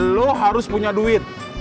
lu harus punya duit